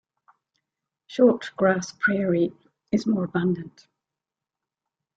Short grass prairie is more abundant.